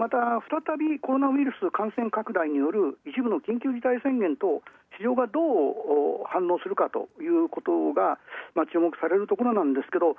また、再びコロナウイルス感染拡大による一部の緊急事態宣言など市場がどう反応するかということが、注目されるところ。